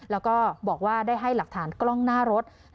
แล้วก็บอกว่าได้ให้หลักฐานกล้องหน้ารถ